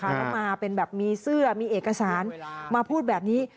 แล้วมาเป็นแบบมีเสื้อมีเอกสารมาพูดแบบนี้